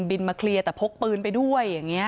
บินมาเคลียร์แต่พกปืนไปด้วย